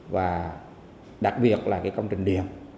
và đặc biệt là cái công trình điện